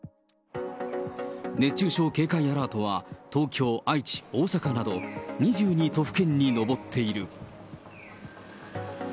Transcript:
熱中症警戒アラートは東京、愛知、大阪など、２２都府県に上っている。